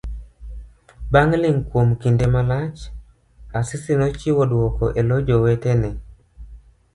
Bang' ling kuom kinde malach. Asisi nochiwo dwoko elo jowetene.